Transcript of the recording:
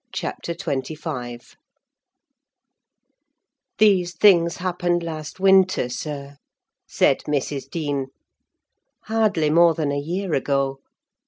CHAPTER XXV "These things happened last winter, sir," said Mrs. Dean; "hardly more than a year ago.